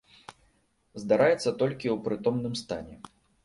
Здараецца толькі ў прытомным стане.